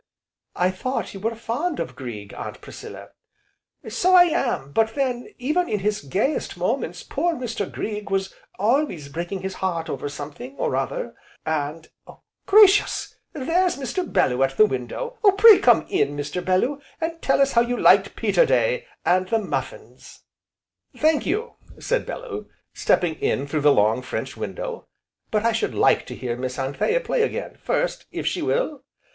"I thought you were fond of Grieg, Aunt Priscilla." "So I am, but then, even in his gayest moments, poor Mr. Grieg was always breaking his heart over something, or other. And Gracious! there's Mr. Bellew at the window. Pray come in, Mr. Bellew, and tell us how you liked Peterday, and the muffins?" "Thank you!" said Bellew, stepping in through the long French window, "but I should like to hear Miss Anthea play again, first, if she will?"